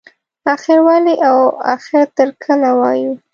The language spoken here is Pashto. اخر ولې او اخر تر کله وایو.